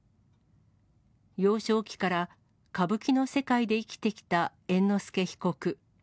幼少期から歌舞伎の世界で生きてきた猿之助被告。